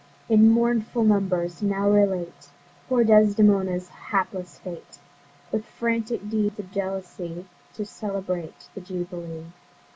In mournful numbers now relate Poor Desdemona's hapless fate, With frantic deeds of jealousy, To celebrate the Jubilee.